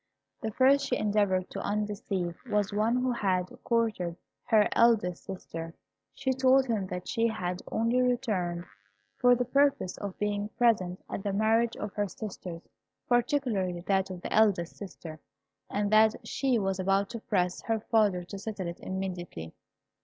The first she endeavoured to undeceive was one who had courted her eldest sister. She told him that she had only returned for the purpose of being present at the marriage of her sisters, particularly that of her eldest sister, and that she was about to press her father to settle it immediately.